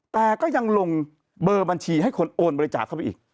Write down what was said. แต่ก็ยังลงเบอร์บัญชีให้คนโอนบริจาคเข้าไปอีก